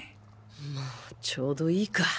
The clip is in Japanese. まあちょうどいいか